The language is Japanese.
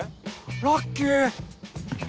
ラッキー！